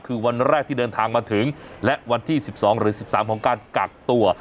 คือวันแรกที่เดินทางมาถึงและวันที่๑๒หรือ๑๓ของการกักตัว